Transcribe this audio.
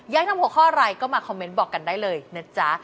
ให้ทำหัวข้ออะไรก็มาคอมเมนต์บอกกันได้เลยนะจ๊ะ